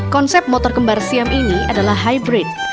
konsep motor kembar siam ini adalah hybrid